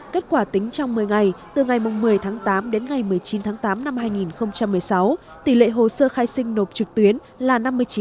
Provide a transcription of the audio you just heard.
kết quả tính trong một mươi ngày từ ngày một mươi tháng tám đến ngày một mươi chín tháng tám năm hai nghìn một mươi sáu tỷ lệ hồ sơ khai sinh nộp trực tuyến là năm mươi chín